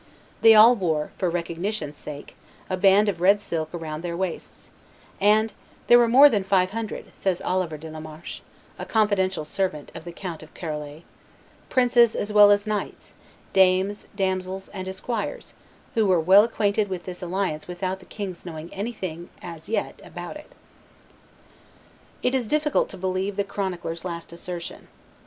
They all wore, for recognition's sake, a band of red silk round their waists, and, "there were more than five hundred," says Oliver de la Marche, a confidential servant of the Count of Charolais, "princes as well as knights, dames, damsels, and esquires, who were well acquainted with this alliance without the king's knowing anything as yet about it." It is difficult to believe the chronicler's last assertion.